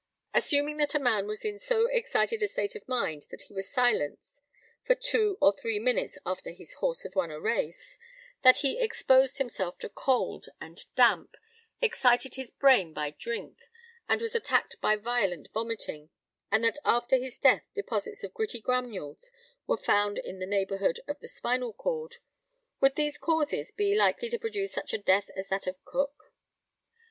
Assuming that a man was in so excited a state of mind that he was silent for two or three minutes after his horse had won a race, that he exposed himself to cold and damp, excited his brain by drink, and was attacked by violent vomiting, and that after his death deposits of gritty granules were found in the neighbourhood of the spinal cord, would these causes be likely to produce such a death as that of Cook?